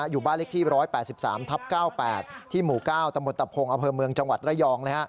อยู่บ้านเล็กที่๑๘๓ทับ๙๘ที่หมู่๙ตมตะพงอำเภอเมืองจังหวัดระยอง